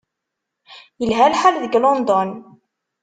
Yelha lḥal deg London.